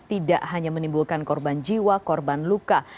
tidak hanya menimbulkan korban jiwa korban luka